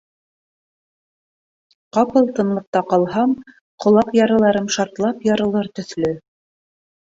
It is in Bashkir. Ҡапыл тынлыҡта ҡалһам, ҡолаҡ ярыларым шартлап ярылыр төҫлө.